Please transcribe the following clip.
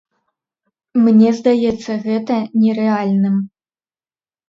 Мне здаецца гэта нерэальным.